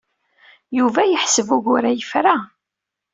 Yuba yeḥseb ugur-a yefra.